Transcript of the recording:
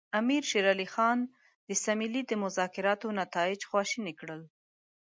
امیر شېر علي خان د سیملې د مذاکراتو نتایج خواشیني کړل.